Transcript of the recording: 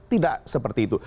tidak seperti itu